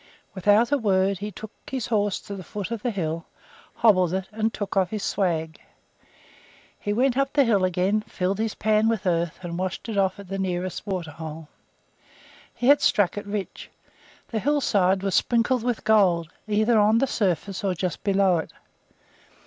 Without a word he took his horse to the foot of the hill, hobbled it, and took off his swag. He went up the hill again, filled his pan with earth, and washed it off at the nearest waterhole. He had struck it rich; the hill side was sprinkled with gold, either on the surface or just below it.